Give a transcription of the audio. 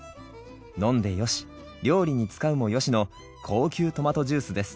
飲んでよし料理に使うもよしの高級トマトジュースです。